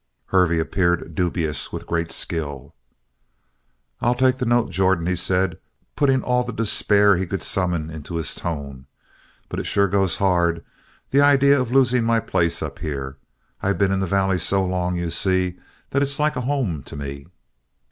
Hervey appeared dubious with great skill. "I'll take the note, Jordan," he said, putting all the despair he could summon into his tone. "But it sure goes hard the idea of losing my place up here. I've been in the Valley so long, you see, that it's like a home to me."